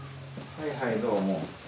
はいはいどうも。